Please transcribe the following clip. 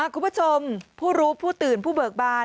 คุณผู้ชมผู้รู้ผู้ตื่นผู้เบิกบาน